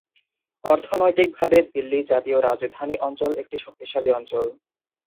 অর্থনৈতিকভাবে দিল্লী জাতীয় রাজধানী অঞ্চল একটি শক্তিশালী অঞ্চল।